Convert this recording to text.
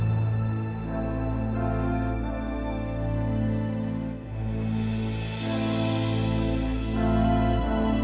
ah nyebelin banget